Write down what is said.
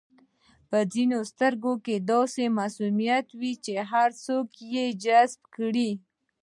په ځینو سترګو کې داسې معصومیت وي چې هر څوک یې جذب کړي.